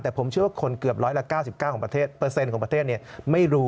แต่ผมเชื่อว่าคนเกือบร้อยละ๙๙ของประเทศไม่รู้